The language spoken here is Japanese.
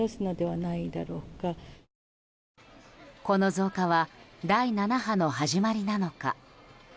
この増加は第７波の始まりなのか。